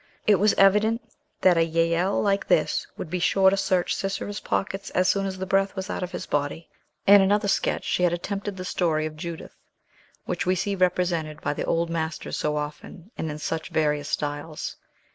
It was evident that a Jael like this would be sure to search Sisera's pockets as soon as the breath was out of his body. In another sketch she had attempted the story of Judith, which we see represented by the old masters so often, and in such various styles.